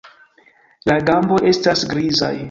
La gamboj estas grizaj.